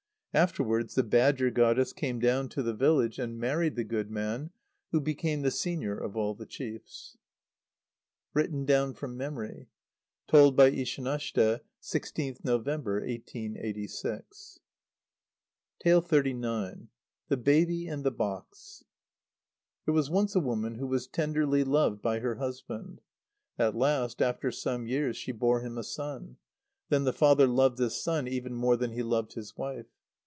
Afterwards the badger goddess came down to the village, and married the good man, who became the senior of all the chiefs. (Written down from memory. Told by Ishanashte, 16th November, 1886.) xxxix. The Baby in the Box. There was once a woman who was tenderly loved by her husband. At last, after some years, she bore him a son. Then the father loved this son even more than he loved his wife.